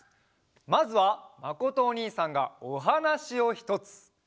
まずはまことおにいさんがおはなしをひとつ！